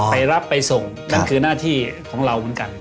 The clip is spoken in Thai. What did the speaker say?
ไปรับไปส่งนั่นคือหน้าที่ของเราเหมือนกัน